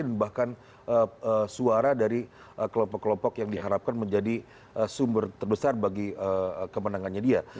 dan bahkan suara dari kelompok kelompok yang diharapkan menjadi sumber terbesar bagi kemenangannya dia